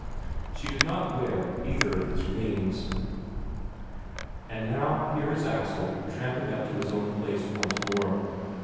She did not wear either of his rings.... And now here is Axel tramping up to his own place once more.